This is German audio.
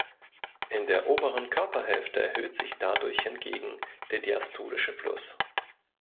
In der oberen Körperhälfte erhöht sich dadurch hingegen der diastolische Fluss.